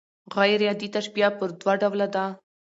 غير عادي تشبیه پر دوه ډوله ده.